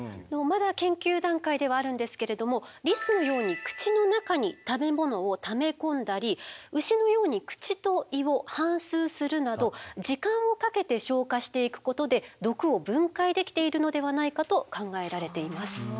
まだ研究段階ではあるんですけれどもリスのように口の中に食べ物をため込んだり牛のように口と胃を反すうするなど時間をかけて消化していくことで毒を分解できているのではないかと考えられています。